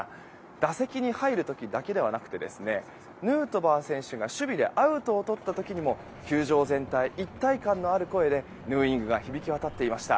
打席に入る時だけではなくてヌートバー選手が守備でアウトをとった時にも球場全体、一体感のある声でヌーイングが響き渡っていました。